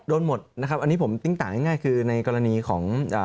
โดนหมดอันนี้ผมติ้งต่างง่ายคือในกรณีของ